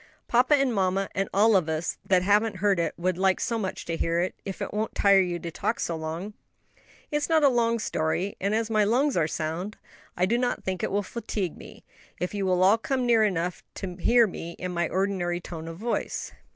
"Papa and mamma, and all of us that haven't heard it, would like so much to hear it, if it won't tire you to talk so long." "It is not a long story; and as my lungs are sound, I do not think it will fatigue me, if you will all come near enough to hear me in my ordinary tone of voice."